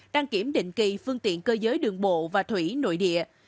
đăng kiểm định kỳ phương tiện cơ giới đường bộ và thủy nội địa